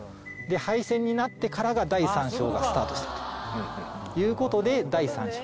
廃線になってからが第３章がスタートしたということで第３章。